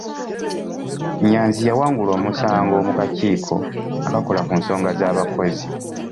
Nnyanzi yawangula omusango mu kakiiko akakola ku nsonga z'abakozi.